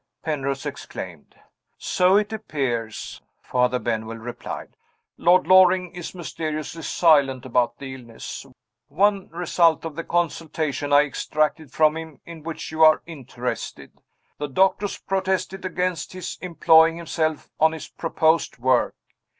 Penrose exclaimed. "So it appears," Father Benwell replied. "Lord Loring is mysteriously silent about the illness. One result of the consultation I extracted from him, in which you are interested. The doctors protested against his employing himself on his proposed work.